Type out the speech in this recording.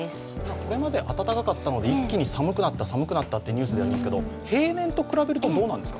これまで暖かかったので、一気に寒くなったとニュースでやりますけど、平年と比べるとどうなんですか？